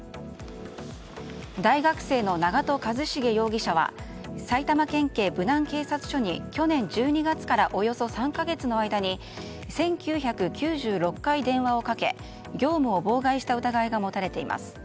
大学生の長門和成容疑者は埼玉県警武南警察署に去年１２月からおよそ３か月の間に１９９６回電話をかけ業務を妨害した疑いが持たれています。